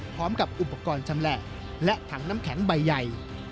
พร้อมกับอุปกรณ์ชำแหละและถังน้ำแข็งใบใหญ่